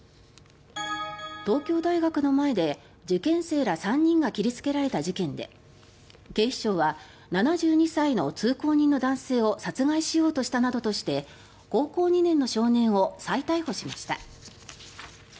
東京大学の前で受験生ら３人が切りつけられた事件で警視庁は７２歳の通行人の男性を殺害しようとしたなどとして高校２年の少年を再逮捕しました。